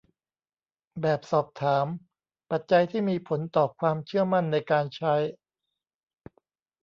แบบสอบถาม : ปัจจัยที่มีผลต่อความเชื่อมั่นในการใช้